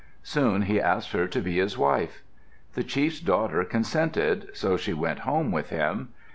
Soon he asked her to be his wife. The chief's daughter consented, so she went home with him.